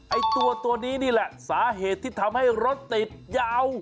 ไอ้ตัวตัวนี้นี่แหละสาเหตุที่ทำให้รถติดยาว